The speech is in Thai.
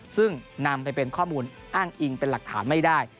ซึ่งนำไปเป็นข้อมูลอ้างอิงเป็นหลักฐานไม่ได้